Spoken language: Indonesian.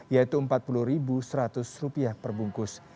yaitu rp empat puluh seratus perbungkus